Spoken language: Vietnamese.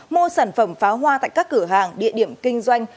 mua sản phẩm pháo hoa tại các cửa hàng địa điểm kinh doanh